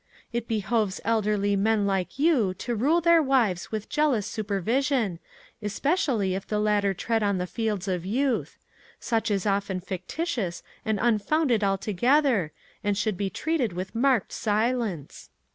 "It behoves elderly men like you to rule their wives with jealous supervision, especially if the latter tread on the fields of youth. Such is often fictitious and unfounded altogether, and should be treated with marked silence.